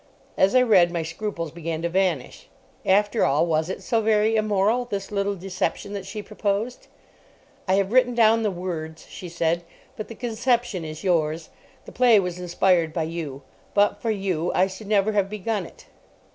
As I read, my scruples began to vanish. After all, was it so very immoral, this little deception that she proposed? "I have written down the words," she said; "but the conception is yours. The play was inspired by you. But for you I should never have begun it."